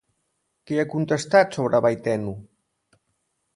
Què ha contestat sobre Beitenu?